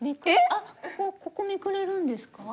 あっここめくれるんですか？